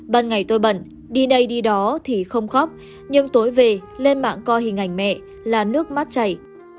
ban ngày tôi bận đi đây đi đó thì không khóc nhưng tối về lên mạng co hình ảnh mẹ là nước mắt chảy